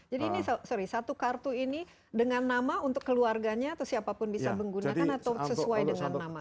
jadi ini sorry satu kartu ini dengan nama untuk keluarganya atau siapapun bisa menggunakan atau sesuai dengan nama